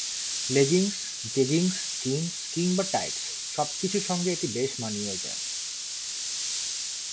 Leggings, jeggings, jeans কিংবা tights সবকিছুর সঙ্গে এটি বেশ মানিয়েও যায়।